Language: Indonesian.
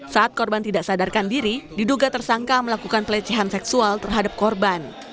saat korban tidak sadarkan diri diduga tersangka melakukan pelecehan seksual terhadap korban